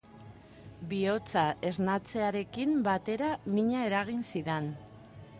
Bihotza esnatzearekin batera mina eragin zidan.